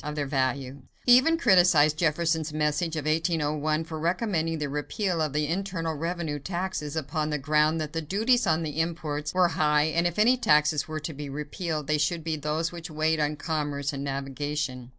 of their value. He even criticised Jefferson's message of 1801 for recommending the repeal of the internal revenue taxes, upon the ground that the duties on imports were high and that if any taxes were to be repealed, they should be those which weighed on commerce and navigation.